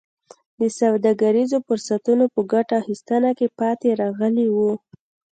د سوداګریزو فرصتونو په ګټه اخیستنه کې پاتې راغلي وو.